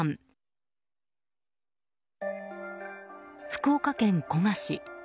福岡県古賀市。